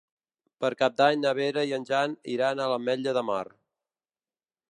Per Cap d'Any na Vera i en Jan iran a l'Ametlla de Mar.